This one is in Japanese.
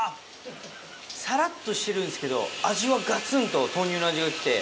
さらっとしてるんですけど味はガツンと豆乳の味が来て。